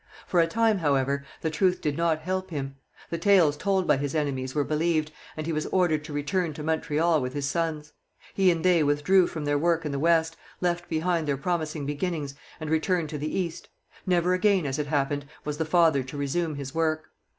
For a time, however, the truth did not help him. The tales told by his enemies were believed, and he was ordered to return to Montreal with his sons. He and they withdrew from their work in the West, left behind their promising beginnings, and returned to the East. Never again, as it happened, was the father to resume his work.